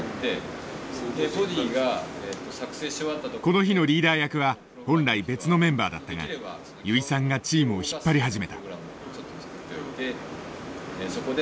この日のリーダー役は本来別のメンバーだったが油井さんがチームを引っ張り始めた。